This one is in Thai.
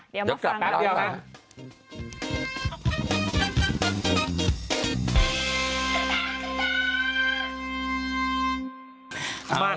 เดี๋ยวมาฟัง